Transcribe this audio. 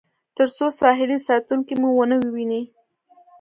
تر څو ساحلي ساتونکي مو ونه وویني.